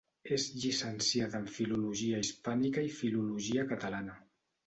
És llicenciada en Filologia Hispànica i Filologia Catalana.